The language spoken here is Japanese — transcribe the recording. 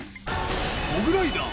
モグライダー